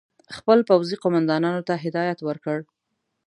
خپلو پوځي قوماندانانو ته هدایت ورکړ.